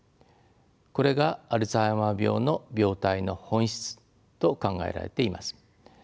これがアルツハイマー病の病態の本質と考えられています。